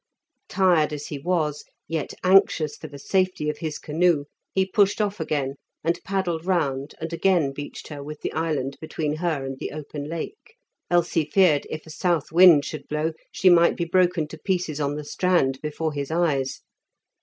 Tired as he was, yet anxious for the safety of his canoe, he pushed off again, and paddled round and again beached her with the island between her and the open Lake. Else he feared if a south wind should blow she might be broken to pieces on the strand before his eyes.